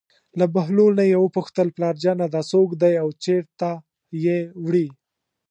له بهلول نه یې وپوښتل: پلارجانه دا څوک دی او چېرته یې وړي.